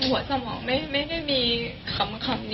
ทุกเช้าเราทำอะไรกันบ้าง